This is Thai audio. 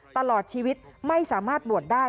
ตลอดชีวิตไม่สามารถบวชได้